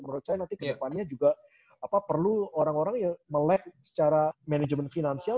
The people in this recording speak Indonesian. menurut saya nanti ke depannya juga perlu orang orang yang melag secara manajemen finansial